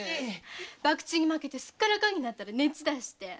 博打に負けてスッカラカンになったら熱出して。